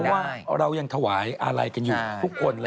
เพราะว่าเรายังถวายอะไรกันอยู่ทุกคนเลย